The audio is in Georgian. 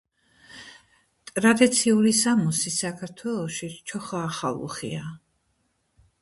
ტრადიციული სამოსი საქართველოში ჩოხა-ახალუხია.